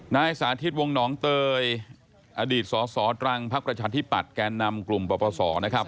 นายสาธิตวงหนองเตยอดีตสสตรังพักประชาธิปัตยแกนนำกลุ่มปปศนะครับ